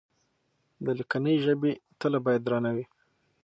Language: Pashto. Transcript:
د ليکنۍ ژبې تله بايد درنه وي.